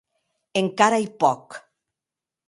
Encara ei pòc.